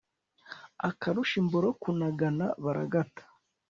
akarusha imboro kunagana baragata